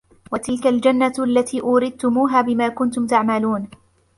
وَتِلكَ الجَنَّةُ الَّتي أورِثتُموها بِما كُنتُم تَعمَلونَ